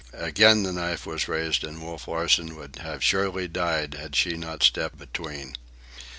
Again the knife was raised, and Wolf Larsen would have surely died had she not stepped between.